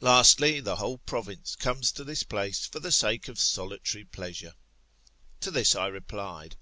Lastly, the whole province comes to this place, for the sake of solitary pleasure. To this I replied.